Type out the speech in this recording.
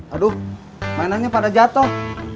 aduh mainannya pada jatuh